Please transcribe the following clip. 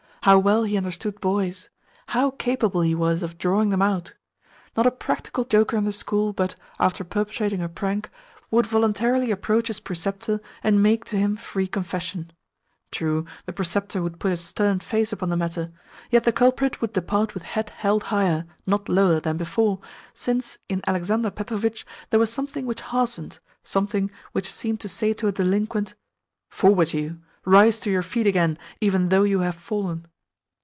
How well he understood boys! How capable he was of drawing them out! Not a practical joker in the school but, after perpetrating a prank, would voluntarily approach his preceptor and make to him free confession. True, the preceptor would put a stern face upon the matter, yet the culprit would depart with head held higher, not lower, than before, since in Alexander Petrovitch there was something which heartened something which seemed to say to a delinquent: "Forward you! Rise to your feet again, even though you have fallen!"